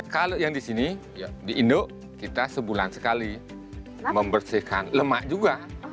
kalau yang di sini di indo kita sebulan sekali membersihkan lemak juga